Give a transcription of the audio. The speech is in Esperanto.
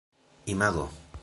imago